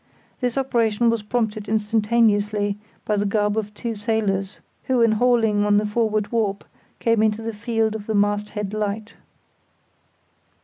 This operation was prompted instantaneously by the garb of two sailors, who in hauling on the forward warp came into the field of the mast head light.